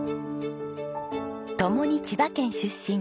ともに千葉県出身。